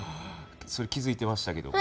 それ気付いてましたけど。